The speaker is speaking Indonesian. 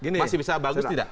masih bisa bagus tidak